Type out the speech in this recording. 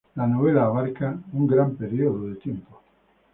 La novela abarca un gran periodo de tiempo.